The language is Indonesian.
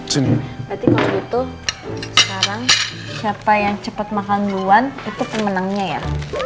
berarti kalau gitu sekarang siapa yang cepat makan duluan itu pemenangnya ya